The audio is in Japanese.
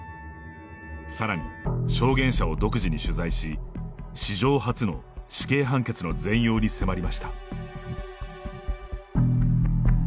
さらに、証言者を独自に取材し史上初の死刑判決の全容に迫りました。